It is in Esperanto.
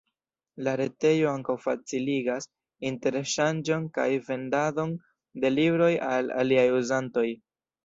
La retejo ankaŭ faciligas interŝanĝon kaj vendadon de libroj al aliaj uzantoj.